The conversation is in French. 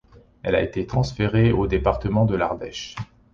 Elle a été transférée au département de l'Ardèche.